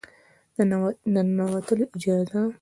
د ننوتلو اجازه